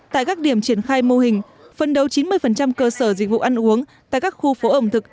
tại các điểm triển khai mô hình phân đấu chín mươi cơ sở dịch vụ ăn uống tại các khu phố ẩm thực